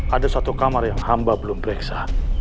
ada satu kamar yang hamba belum periksa